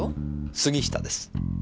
杉下です。